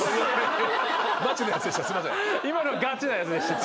今のガチなやつでした。